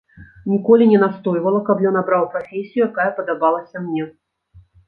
Ніколі не настойвала, каб ён абраў прафесію, якая падабалася мне.